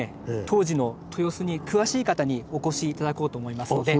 当時の豊洲に詳しい方にお越し頂こうと思いますので。